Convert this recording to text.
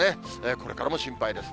これからも心配です。